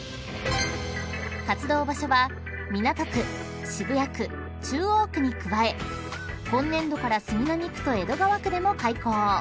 ［活動場所は港区渋谷区中央区に加え本年度から杉並区と江戸川区でも開校］